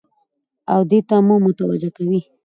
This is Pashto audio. او دې ته مو متوجه کوي